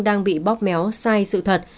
đang bị bóp méo sai sự thật